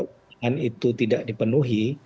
al quran itu tidak dipenuhi